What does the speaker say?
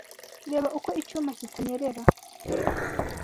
Reba ko icyuma kitanyerera.